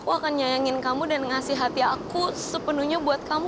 aku akan nyayangin kamu dan ngasih hati aku sepenuhnya buat kamu